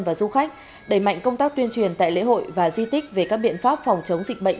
và du khách đẩy mạnh công tác tuyên truyền tại lễ hội và di tích về các biện pháp phòng chống dịch bệnh